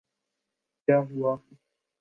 کیا ہوا؟